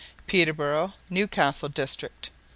Peterborough, Newcastle District.